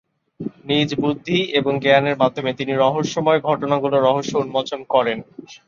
নিজ বুদ্ধি এবং জ্ঞানের মাধ্যমে তিনি রহস্যময় ঘটনাগুলোর রহস্য উন্মোচন করেন।